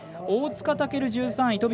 大塚健、１３位。